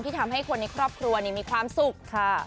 ทำให้คนในครอบครัวมีความสุขค่ะ